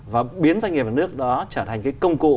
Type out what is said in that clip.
và biến doanh nghiệp nhà nước đó trở thành cái công cụ